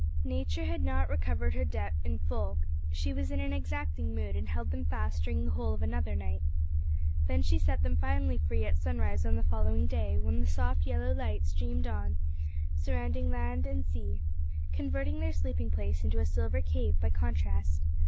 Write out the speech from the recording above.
Nature had not recovered her debt in full. She was in an exacting mood, and held them fast during the whole of another night. Then she set them finally free at sunrise on the following day, when the soft yellow light streamed on surrounding land and sea, converting their sleeping place into a silver cave by contrast.